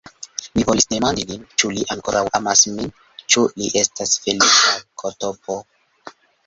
Mi volis demandi lin, ĉu li ankoraŭ amas min; ĉu li estas feliĉa ktp.